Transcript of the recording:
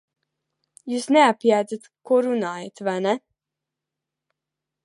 Jūs neapjēdzat, ko runājat, vai ne?